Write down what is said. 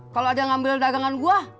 kalo ada yang ambil dagangan gua